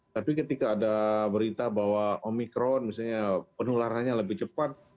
tapi ketika ada berita bahwa omikron misalnya penularannya lebih cepat